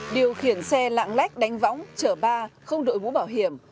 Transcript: điều khiển xe lạng lách đánh võng chở ba không đội mũ bảo hiểm